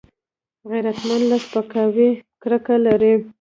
غیرتمند له سپکاوي کرکه لري